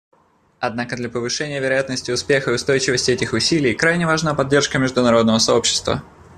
Однако для повышения вероятности успеха и устойчивости этих усилий крайне важна поддержка международного сообщества.